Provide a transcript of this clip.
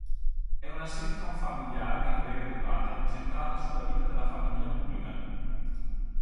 È una sitcom familiare di breve durata incentrata sulla vita della famiglia Mulligan.